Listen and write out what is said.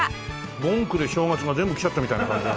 盆暮れ正月が全部来ちゃったみたいな感じだね。